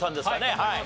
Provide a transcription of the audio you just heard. はい！